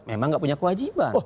memang nggak punya kewajiban